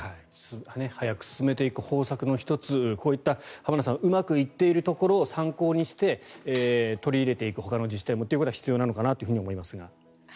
早く進めていく方策の１つこういったうまくいっているところを参考にして、取り入れていくほかの自治体もということは必要なんだと思いますが。